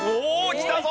きたぞ！